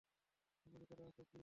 জন, ভিতরে আছ নাকি?